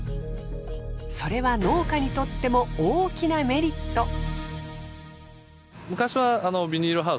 それは農家にとっても大きなメリット。